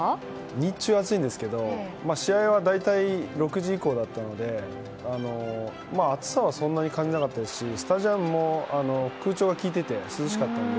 日中は暑いんですけど試合は大体６時以降だったので暑さはそんなに感じなかったですしスタジアムも、空調が利いていて涼しかったので。